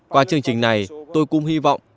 qua chương trình này tôi cũng hy vọng